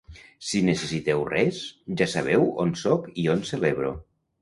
Si necessiteu res, ja sabeu on sóc i on celebro.